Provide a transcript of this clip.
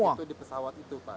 pasal itu di pesawat itu pak